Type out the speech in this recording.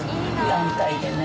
団体でね。